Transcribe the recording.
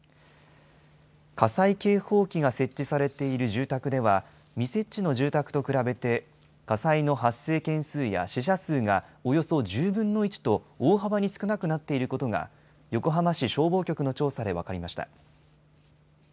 火災警報器が設置されている住宅では、未設置の住宅と比べて、火災の発生件数や死者数がおよそ１０分の１と、大幅に少なくなっていることが、横浜市消防局の調査で分かりました。